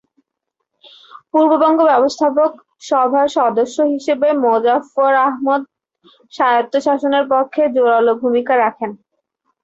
পূর্ববঙ্গ ব্যবস্থাপক সভার সদস্য হিসেবে মোজাফফর আহমদ স্বায়ত্তশাসনের পক্ষে জোরালো ভূমিকা রাখেন।